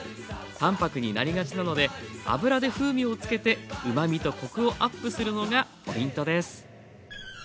淡泊になりがちなので油で風味をつけてうまみとコクをアップするのがポイントです。